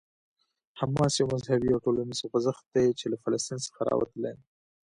حماس یو مذهبي او ټولنیز خوځښت دی چې له فلسطین څخه راوتلی.